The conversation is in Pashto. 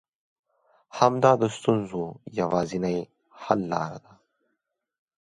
همدا د ستونزو يوازنۍ حل لاره ده.